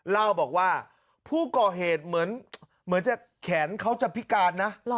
เล่าบอกว่าผู้ก่อเหตุเหมือนจะแขนเขาจะพิการนะ